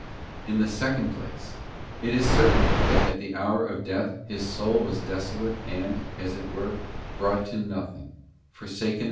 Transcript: In the second place, it is certain that at the hour of death His soul was desolate and, as it were, brought to nothing, forsaken of *§.